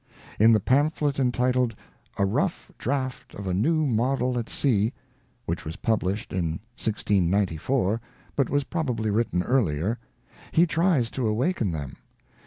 In the pamphlet entitled A Rough Draught of a New Model at Sea, which was published in 1694, but was probably written earlier, he tries to awaken them.